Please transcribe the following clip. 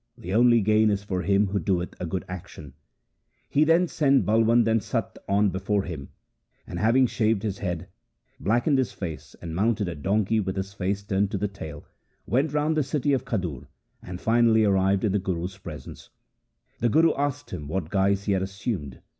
The only gain is for him who doeth a good action.' He sent Balwand and Satta on before him, and having shaved his head, blackened his face, and mounted a donkey with his face turned to the tail, went round the city of Khadur, and finally arrived in the Guru's presence. The Guru asked him what guise he had assumed.